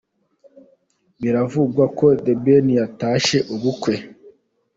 Biravugwa ko The Ben yatashye ubukwe.